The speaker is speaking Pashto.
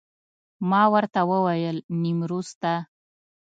ما ورته وویل نیمروز ته.